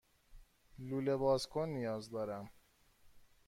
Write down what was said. لوله بازکن نیاز دارم.